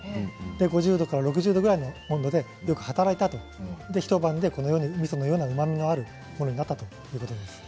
５０度から６０度ぐらいでよく働いたあと一晩でこのように、みそのような甘みがあるものができるということなんです。